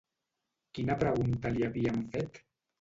Quina pregunta li havien fet?